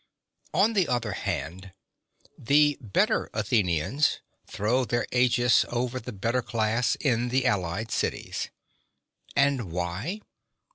On the other hand, the better Athenians throw their aegis over the better class in the allied cities. (37) And why?